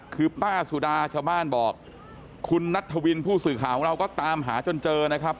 คือป้าสุดาชาวบ้านบอกคุณนัทธวินผู้สื่อข่าวของเราก็ตามหาจนเจอนะครับ